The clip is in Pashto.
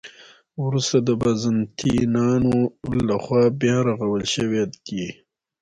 وروسته د بازنطینانو له خوا بیا رغول شوې دي.